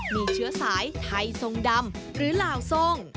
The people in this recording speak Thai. มีเชื้อสายไทยทรงดำหรือลาวทรง